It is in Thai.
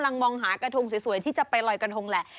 มองหากระทงสวยที่จะไปลอยกระทงแหละ